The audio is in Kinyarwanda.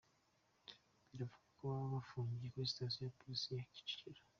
Biravugwa ko baba bafungiye kuri Station ya Police ya Kicukiro